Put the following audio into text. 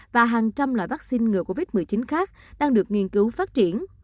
và hàng trăm loại vaccine ngừa covid một mươi chín khác đang được nghiên cứu phát triển